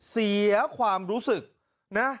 เสียความรู้สึกนะ